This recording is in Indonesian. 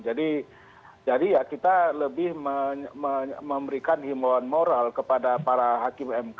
jadi ya kita lebih memberikan himauan moral kepada para hakim mk